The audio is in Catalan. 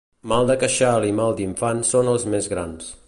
Mal de queixal i mal d'infants són els més grans.